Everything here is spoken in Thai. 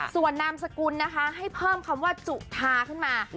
ส่วนนามสกุลนะคะให้เพิ่มคำว่าจุธาขึ้นมา